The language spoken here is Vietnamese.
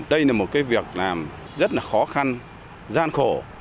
đây là một cái việc làm rất là khó khăn gian khổ